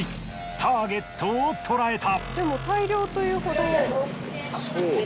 ターゲットを捉えた。